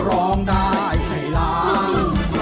ร้องได้ให้ล้าน